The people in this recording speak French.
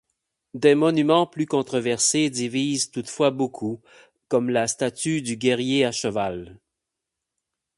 Des monuments plus controversés divisent toutefois beaucoup, comme la statue du guerrier à cheval.